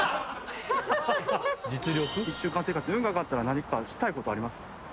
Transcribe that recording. １週間生活運が上がったら何かしたいことあります？